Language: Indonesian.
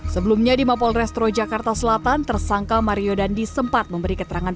sebelumnya di mapol restro jakarta selatan tersangka mario dandi sempat memberi keterangan